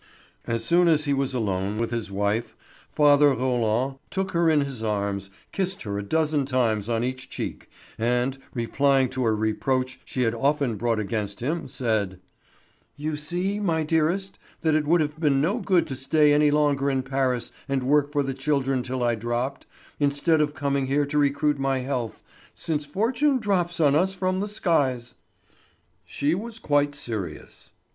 As soon as he was alone with his wife, father Roland took her in his arms, kissed her a dozen times on each cheek, and, replying to a reproach she had often brought against him, said: "You see, my dearest, that it would have been no good to stay any longer in Paris and work for the children till I dropped, instead of coming here to recruit my health, since fortune drops on us from the skies." She was quite serious.